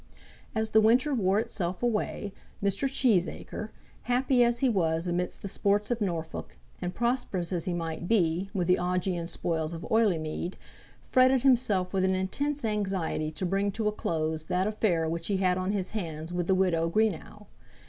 As the winter wore itself away, Mr. Cheesacre, happy as he was amidst the sports of Norfolk, and prosperous as he might be with the augean spoils of Oileymead, fretted himself with an intense anxiety to bring to a close that affair which he had on his hands with the widow Greenow.